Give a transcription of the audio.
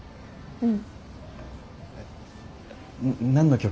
うん。